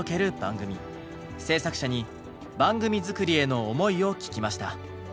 制作者に番組作りへの思いを聞きました。